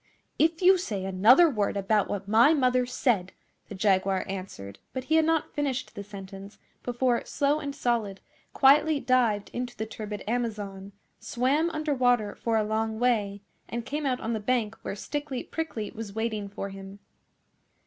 'If you say another word about what my mother said ' the Jaguar answered, but he had not finished the sentence before Slow and Solid quietly dived into the turbid Amazon, swam under water for a long way, and came out on the bank where Stickly Prickly was waiting for him.